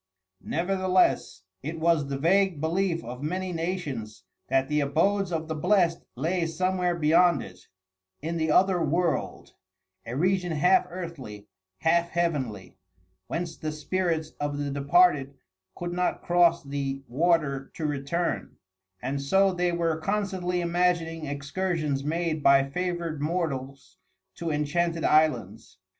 Nevertheless, it was the vague belief of many nations that the abodes of the blest lay somewhere beyond it in the "other world," a region half earthly, half heavenly, whence the spirits of the departed could not cross the water to return; and so they were constantly imagining excursions made by favored mortals to enchanted islands.